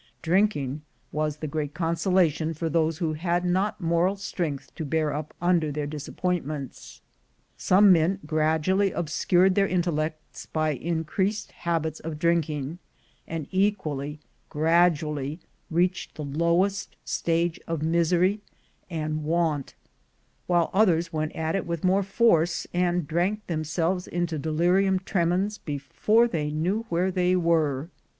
Drinking was the great consolation for those who had not moral strength to bear up under their dis appointments. Some men gradually obscured their intellects by increased habits of drinking, and, equally gradually, reached the lowest stage of misery and w^ant; while others went at it with more force, and drank themselves into delirium tremens before thej knew where they were.